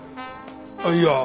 あっいや。